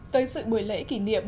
tới sự buổi lễ kỷ niệm